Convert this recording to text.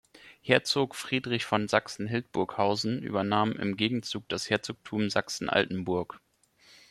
Herzog Friedrich von Sachsen-Hildburghausen übernahm im Gegenzug das Herzogtum Sachsen-Altenburg.